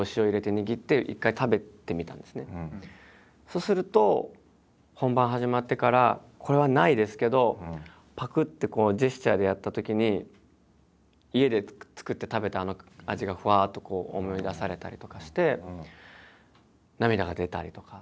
そうすると本番始まってからこれはないですけどぱくってこうジェスチャーでやったときに家で作って食べたあの味がふわっとこう思い出されたりとかして涙が出たりとか。